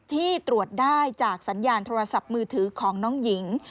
ที่ตรวจได้จากสัญญาณโทรศัพท์มือถือของน้องหญิง